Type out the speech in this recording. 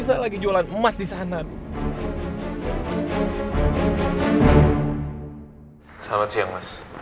selamat siang mas